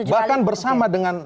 bahkan bersama dengan